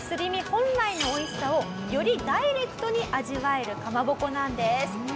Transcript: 本来のおいしさをよりダイレクトに味わえるかまぼこなんです。